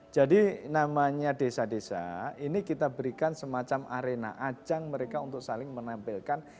jadi namanya desa desa ini kita berikan semacam arena ajang mereka untuk saling menampilkan